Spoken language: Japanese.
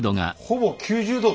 ほぼ９０度。